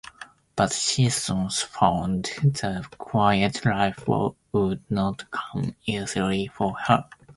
But, she soon found the quiet life would not come easily for her.